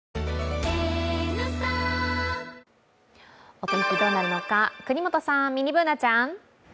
お天気、どうなるのか國本さん、ミニＢｏｏｎａちゃん。